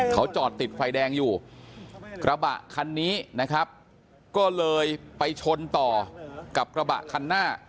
เขาจอดติดไฟแดงอยู่กระบะคันนี้นะครับก็เลยไปชนต่อกับกระบะคันหน้า